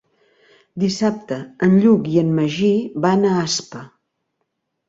Dissabte en Lluc i en Magí van a Aspa.